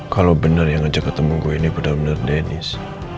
kalau bener yang ajak ketemu gue ini bener bener dennis